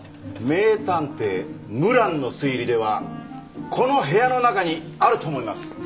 名探偵ムランの推理ではこの部屋の中にあると思います！